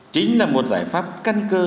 chính là một giải pháp căn cơ